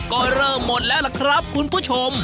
ก็เริ่มหมดแล้วล่ะครับคุณผู้ชม